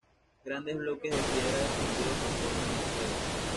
Grandes bloques de piedra desprendidos conforman el suelo.